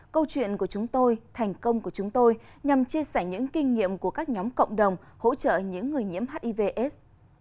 câu chuyện của chúng tôi thành công của chúng tôi nhằm chia sẻ những kinh nghiệm của các nhóm cộng đồng hỗ trợ những người nhiễm hivs